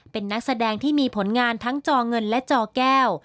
เป็นนักแสดงที่มีผลงานทั้งจอเงินและจอแก้ว